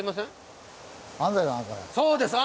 そうです。